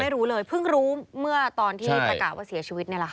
รู้เลยเพิ่งรู้เมื่อตอนที่ประกาศว่าเสียชีวิตนี่แหละค่ะ